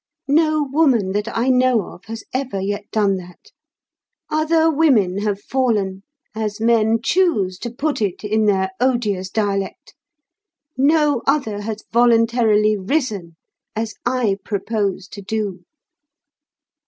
No woman that I know of has ever yet done that. Other women have fallen, as men choose to put it in their odious dialect; no other has voluntarily risen as I propose to do.